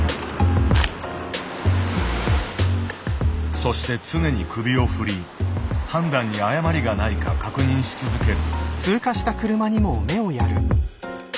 そして常に首を振り判断に誤りがないか確認し続ける。